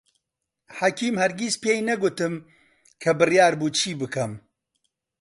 حەکیم هەرگیز پێی نەگوتم کە بڕیار بوو چی بکەم.